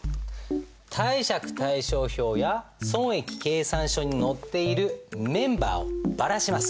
貸借対照表や損益計算書に載っているメンバーをばらします。